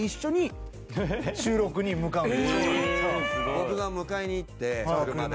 僕が迎えに行って車で。